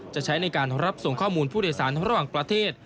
ใช้ในการรับส่งข้อมูลผู้โดยสารระหว่างประเทศ